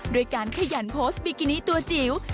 ด้วยการขยันโพสต์บิกินิตัวจิ๋ว